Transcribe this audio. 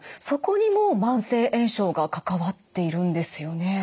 そこにも慢性炎症が関わっているんですよね？